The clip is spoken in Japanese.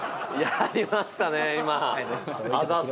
やりましたね。